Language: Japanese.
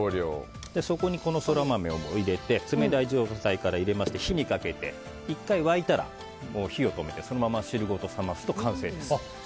そこにソラマメを冷たい状態から入れまして火にかけて１回沸いたら火を止めて、そのまま汁ごとさますと完成です。